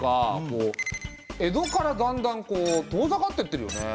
江戸からだんだんこう遠ざかってってるよね。